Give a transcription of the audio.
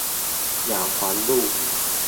雅環路